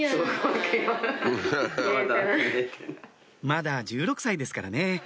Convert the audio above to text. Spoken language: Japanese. まだ１６歳ですからね